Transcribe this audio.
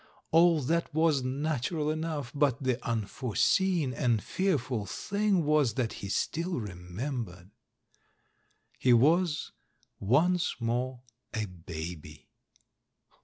All that was natural enough, but the unforeseen and fearful thing was that he still remembered. He was once more a baby.